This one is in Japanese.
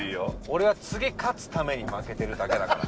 「俺は次勝つために負けてるだけだから」。